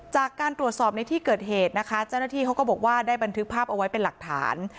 จากการตรวจสอบในที่เกิดเหตุนะคะเจ้าหน้าที่เขาก็บอกว่าได้บันทึกภาพเอาไว้เป็นหลักฐาน